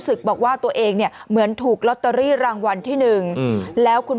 บอกว่าตัวเองเนี่ยเหมือนถูกลอตเตอรี่รางวัลที่หนึ่งแล้วคุณ